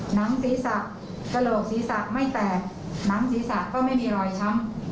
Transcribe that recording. หนังศีรษะกระโหลกศีรษะไม่แตกหนังศีรษะก็ไม่มีรอยช้ำ